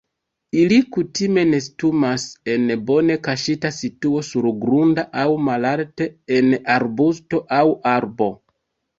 Ili kutime nestumas en bone kaŝita situo surgrunda aŭ malalte en arbusto aŭ arbo.